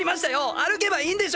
歩けばいいんでしょ。